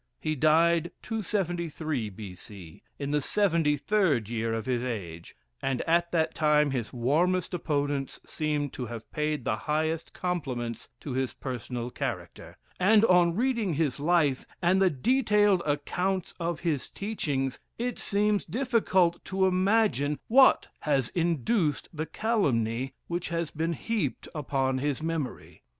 He died 273 B. C, in the seventy third year of his age; and, at that time, his warmest opponents seem to have paid the highest compliments to his personal character; and, on reading his life, and the detailed accounts of his teachings, it seems difficult to imagine what has induced the calumny which has been heaped upon his memory.